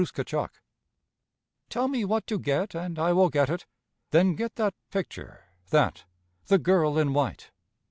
THE END "Tell me what to get and I will get it." "Then get that picture that the girl in white."